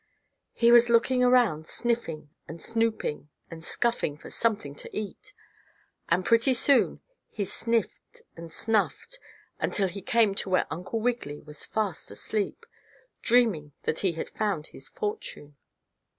He was looking around sniffing, and snooping, and scuffing for something to eat, and pretty soon he sniffed and snuffed until he came to where Uncle Wiggily was fast asleep, dreaming that he had found his fortune.